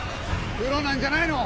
プロなんじゃないの？